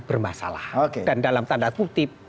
bermasalah dan dalam tanda kutip